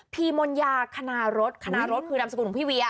พีมนยาขนารสขนารสคือดำสกุลของพี่วีอะ